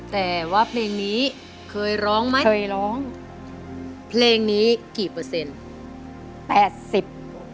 แต่ว่าเพลงนี้เคยร้องไหมเคยร้องเพลงนี้กี่เปอร์เซ็นต์แปดสิบ